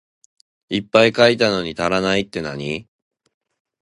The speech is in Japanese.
いっぱい書いたのに足らないってなに？